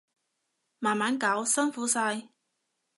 慢慢搞，辛苦晒